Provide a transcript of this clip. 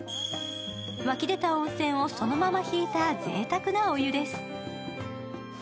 湧き出た温泉をそのまま引いたぜいたくなお湯です。